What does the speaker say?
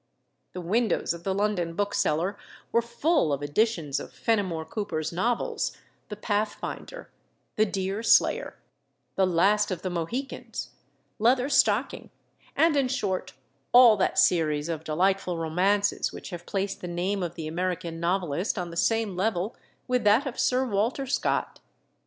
The windows of the London bookseller were full of editions of Fenimore Cooper's novels, "The Pathfinder," "The Deerslayer," "The Last of the Mohicans," "Leather Stocking," and, in short, all that series of delightful romances which have placed the name of the American novelist on the same level with that of Sir Walter Scott.